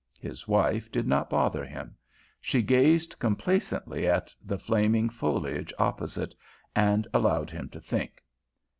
His wife did not bother him. She gazed complacently at the flaming foliage opposite, and allowed him to think.